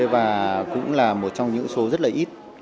và cũng là một trong những số rất là ít